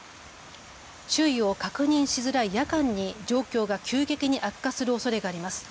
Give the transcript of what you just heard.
周囲を確認しづらい夜間に状況が急激に悪化するおそれがあります。